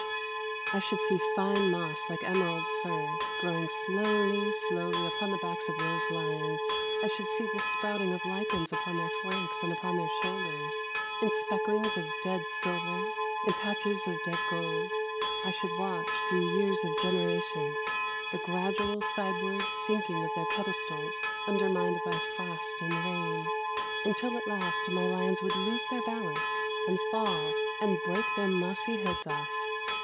I should see fine moss, like emerald fur, growing slowly, slowly, upon the backs of those lions; — I should see the sprouting of lichens upon their flanks and upon their shoulders, in specklings of dead silver, in patches of dead gold; — I should watch, through years of gener ations, the gradual sideward sinking of their pedestals undermined by frost and rain, until at last my lions would lose their balance, and fall, and break their mossy 367 JAPAN heads off.